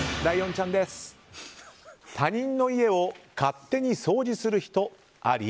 他人の家を勝手に掃除する人あり？